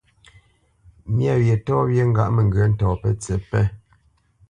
Myâ wyê tɔ́ wyê ŋgâʼ mə ŋgyə̂ ntɔ̌ pətsǐ pé.